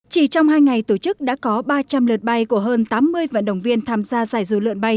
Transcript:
chỉ trong hai ngày tổ chức đã có ba trăm linh lượt bay của hơn tám mươi vận động viên tham gia giải dù lượn bay